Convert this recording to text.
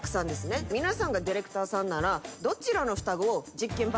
皆さんがディレクターさんなら。